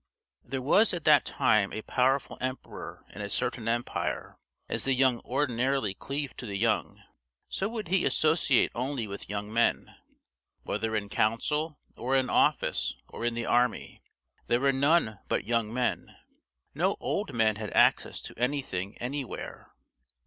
There was at that time a powerful emperor in a certain empire: as the young ordinarily cleave to the young, so would he associate only with young men. Whether in council or in office or in the army, there were none but young men; no old men had access to anything anywhere.